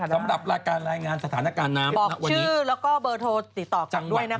สำหรับรายงานสถานการณ์นาวบอกชื่อและเบอร์โทรติดต่อกันด้วยนะคะ